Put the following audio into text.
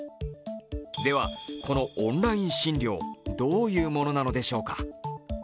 では、このオンライン診療、どういうものなのでしょうか。